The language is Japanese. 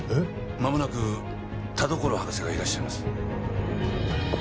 まもなく田所博士がいらっしゃいます